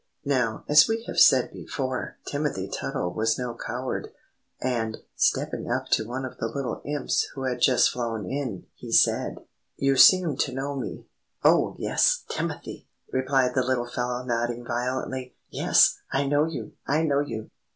Now, as we have said before, Timothy Tuttle was no coward, and, stepping up to one of the little Imps who had just flown in, he said: "You seem to know me." "Oh, yes, Timothy!" replied the little fellow, nodding violently. "Yes! I know you! I know you!"